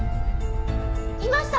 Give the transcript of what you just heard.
いました！